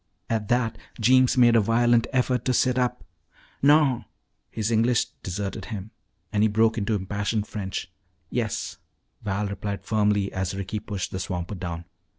At that, Jeems made a violent effort to sit up. "Non!" his English deserted him and he broke into impassioned French. "Yes," Val replied firmly as Ricky pushed the swamper down.